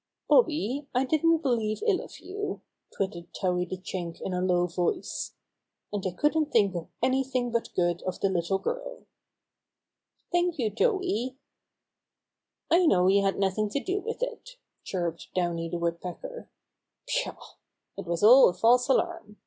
''Bobby, I didn't believe ill of you," twitted Towhee the Chewink in a low voice. "And I couldn't think of anything but good of the little girl." Thank you, Towhee," replied Bobby. I know you had nothing to do with it," chirped Downy the Woodpecker. "Pshaw! Bobby Finds the Birds 119 It was all a false alarm.